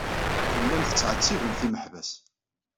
Tellamt tettɛettibemt imeḥbas.